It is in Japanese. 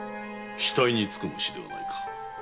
死体につく虫ではないか？